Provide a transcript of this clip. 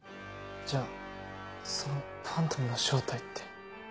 じゃあそのファントムの正体って。